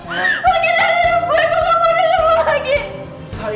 lagi dari hidup gue gue gak mau dengerin lo lagi